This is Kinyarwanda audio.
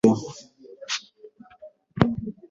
mbone uko nywunywa uhoze